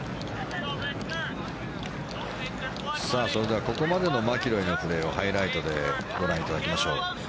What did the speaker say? それではここまでのマキロイのプレーをハイライトでご覧いただきます。